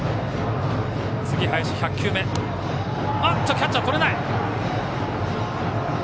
キャッチャー、とれない！